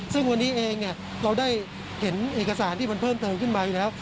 ซึ่งวันนี้เองเราได้เห็นเอกสารที่มันเพิ่มเติมขึ้นมาอยู่แล้ว